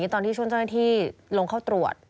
ตอนที่ช่วงเจ้าหน้าที่ลงเข้าตรวจ